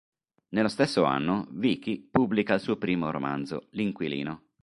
Nello stesso anno, Vichi pubblica il suo primo romanzo, "L'inquilino".